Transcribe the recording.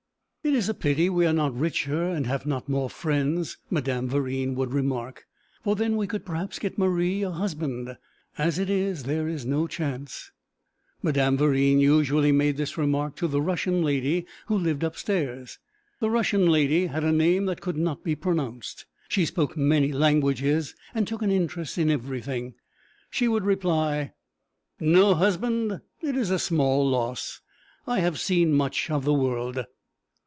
'It is a pity we are not richer and have not more friends,' Madame Verine would remark, 'for then we could perhaps get Marie a husband; as it is, there is no chance.' Madame Verine usually made this remark to the Russian lady who lived upstairs. The Russian lady had a name that could not be pronounced; she spoke many languages, and took an interest in everything. She would reply 'No husband! It is small loss. I have seen much of the world.'